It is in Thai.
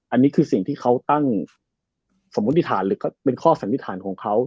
อันนี้คือสิ่งที่เขาตั้งสมมุติฐานหรือก็เป็นข้อสันนิษฐานของเขา